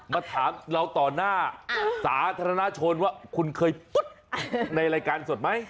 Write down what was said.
มาถามเราต่อหน้าสาธารณชนว่าคุณเคยปุ๊ดในรายการสดไหม